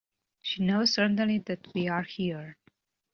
She knows certainly that we are here.